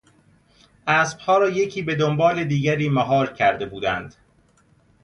اسبها را یکی به دنبال دیگری مهار کرده بودند.